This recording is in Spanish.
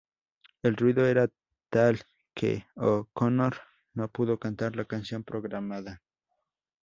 El ruido era tal que O'Connor no pudo cantar la canción programada.